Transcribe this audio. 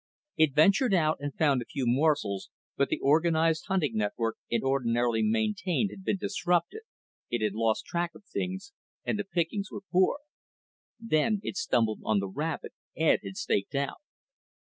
It ventured out and found a few morsels, but the organized hunting network it ordinarily maintained had been disrupted, it had lost track of things, and the pickings were poor. Then it stumbled on the rabbit Ed had staked out.